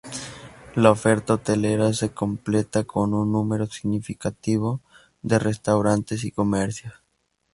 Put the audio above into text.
La oferta hotelera se completa con un número significativo de restaurantes y comercios.